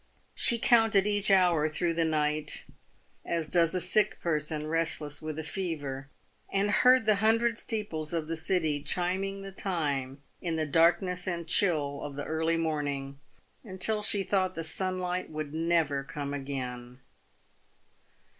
She counted each hour through the night, as does a sick person restless with a fever, and heard the hun dred steeples of the City chiming the time, in the darkness and chill of the early morning, until she thought the sunlight would never come again.